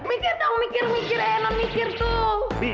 mikir dong mikir eh enak mikir tuh